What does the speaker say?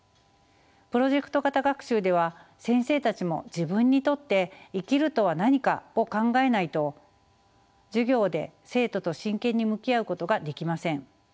プロジェクト型学習では先生たちも「自分にとって生きるとは何か？」を考えないと授業で生徒と真剣に向き合うことができません。